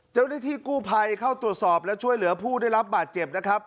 เจ้าหน้าที่กู้ภัยเข้าตรวจสอบและช่วยเหลือผู้ได้รับบาดเจ็บนะครับ